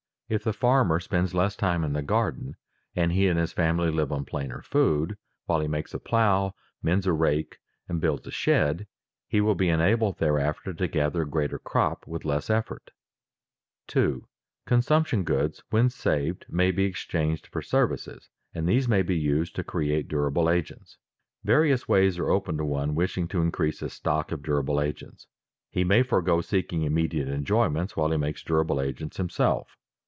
If the farmer spends less time in the garden and he and his family live on plainer food, while he makes a plow, mends a rake, and builds a shed, he will be enabled thereafter to gather a greater crop with less effort. [Sidenote: Saving of consumption goods for exchange] 2. Consumption goods, when saved, may be exchanged for services, and these may be used to create durable agents. Various ways are open to one wishing to increase his stock of durable agents. He may forego seeking immediate enjoyments while he makes durable agents himself.